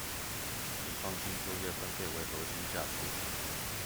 以創新、就業、分配為核心價值